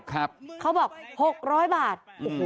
ในแอปเป็น๑๖๘บาท